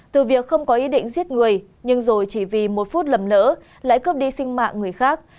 từ việc không có ý định giết người nhưng rồi chỉ vì một phút lầm lỡ lại cướp đi sinh mạng người khác